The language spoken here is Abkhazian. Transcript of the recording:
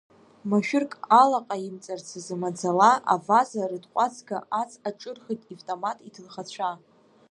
Машәырк алаҟаимҵарц азы маӡала аваза рытҟәацга ац аҿырхит ивтомат иҭынхацәа.